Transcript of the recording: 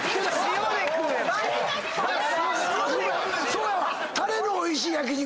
そうやわ。